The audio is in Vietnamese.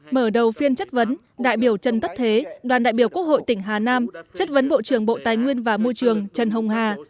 mở đầu phiên chất vấn đại biểu trần tất thế đoàn đại biểu quốc hội tỉnh hà nam chất vấn bộ trưởng bộ tài nguyên và môi trường trần hồng hà